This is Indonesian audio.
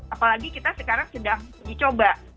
apalagi sekarang kita sedang uji coba